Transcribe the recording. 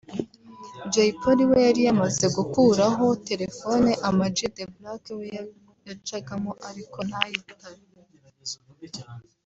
Jay Polly we yari yamaze gukuraho telefone Amag The Black we yacagamo ariko ntayitabe